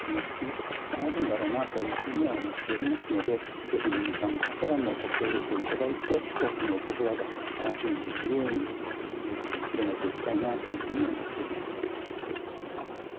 もっとたくさんあるんだろうなというふうには思っておりますのでぜひ民間のほうからもご協力いただいて多くの受け皿が準備できるように広めていきたいなというふうに思っております。